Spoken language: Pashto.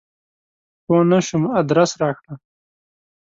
پوه نه شوم ادرس راکړه !